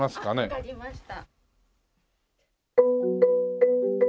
わかりました。